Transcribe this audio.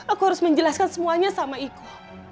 aku harus menjelaskan semuanya sama iku